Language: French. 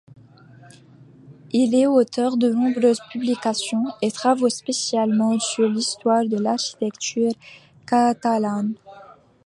Il est auteur de nombreuses publications et travaux, spécialement sur l'histoire de l'architecture catalane.